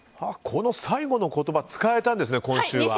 この最後の言葉使えたんですね、今週は。